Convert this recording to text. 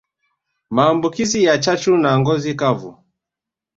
Maambukizi ya chachu na ngozi kavu